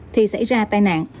thì xảy ra tai nạn